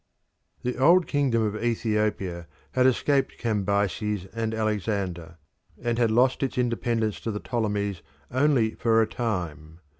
The old kingdom of Ethiopia had escaped Cambyses and Alexander, and had lost its independence to the Ptolemies only for a time.